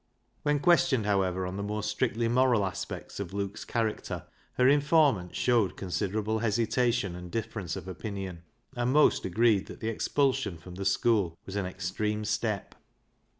When questioned, how ever, on the more strictly moral aspects of Luke's character, her informants showed con siderable hesitation and difference of opinion, and most agreed that the expulsion from the school was an extreme step.